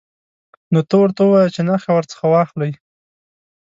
نو ته ورته ووایه چې نخښه ورڅخه واخلئ.